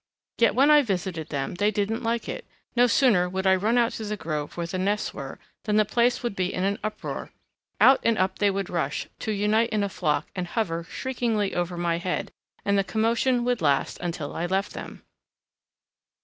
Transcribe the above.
Yet when I visited them they didn't like it; no sooner would I run out to the grove where the nests were than the place would be in an uproar. Out and up they would rush, to unite in a flock and hover shrieking over my head, and the commotion would last until I left them.